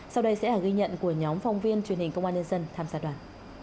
sau đây sẽ là ghi nhận của nhóm phóng viên truyền hình công an nhân dân tham gia đoàn